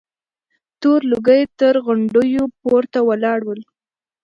تور لوګي تر غونډيو پورته ولاړ ول.